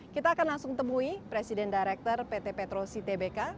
kita akan langsung temui presiden director pt petrosi tbk